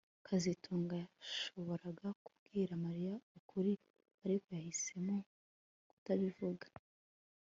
kazitunga yashoboraga kubwira Mariya ukuri ariko yahisemo kutabivuga